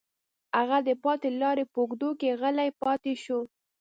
هغه د پاتې لارې په اوږدو کې غلی پاتې شو